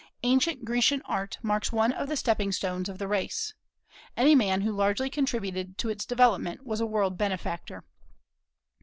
Ancient Grecian art marks one of the stepping stones of the race. Any man who largely contributed to its development was a world benefactor.